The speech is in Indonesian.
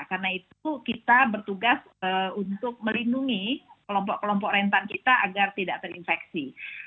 karena itu kita bertugas untuk melindungi kelompok kelompok rentan kita agar tidak terinfeksi